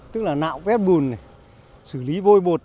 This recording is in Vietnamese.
tức là nạo vép bùn xử lý vôi bột